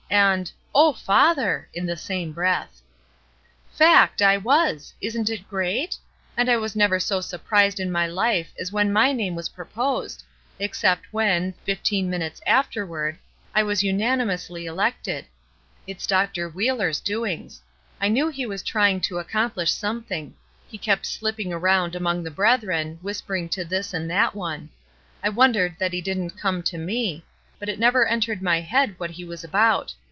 and ''Oh, father!" in the same breath. "Fact, I was! Isn^ it great? I was never so surprised in my life as when my name was proposed, except when, fifteen minutes after ward, I was unanimously elected. It's Dr. Wheeler's doings. I knew he was trying to accomplish something; he kept slipping around among the brethren, whispering to this and that one. I wondered that he didn't come to me, but it never entered my head what he was about.